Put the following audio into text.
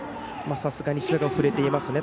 さすがに振れていますね。